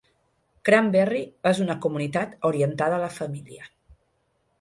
Cranberry és una comunitat orientada a la família.